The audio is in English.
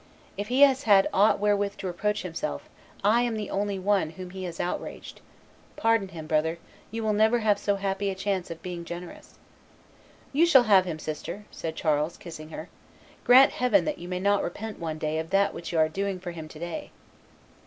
If he has had aught wherewith to reproach himself, I am the only one whom he has outraged. Pardon him, brother; you will never have so happy a chance of being generous." "You shall have him, sister," said Charles, kissing her; "grant Heaven that you may not repent one day of that which you are doing for him to day!"